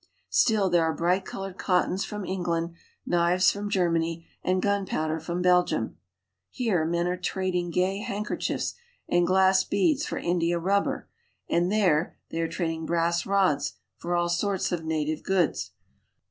Still there are bright colored cottons from England, knives from Germany, and gunpowder from Belgium. Here, men are trading gay handker chiefs and glass beads for india rubber, and there, they are trading brass rods for all sorts of native goods.